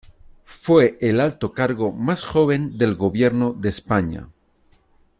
Fue el alto cargo más joven del Gobierno de España.